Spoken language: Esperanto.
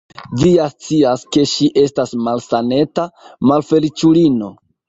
Vi ja scias, ke ŝi estas malsaneta, malfeliĉulino!